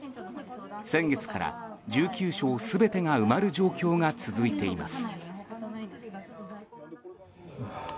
先月から１９床全てが埋まる状況が続いています。